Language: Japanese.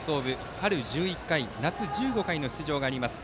春１１回、夏１５回の出場があります。